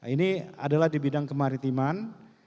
ini adalah di bidang kemaritiman